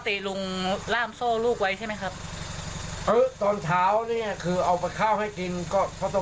ตามไม่ไหวเราก็เลยต้องล่ามใช่ไหมครับ